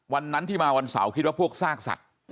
วันนั้นที่มาวันเสาร์คิดว่าพวกซากสัตว์